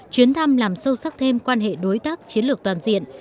chuyến thăm làm sâu sắc thêm quan hệ đối tác chiến lược toàn diện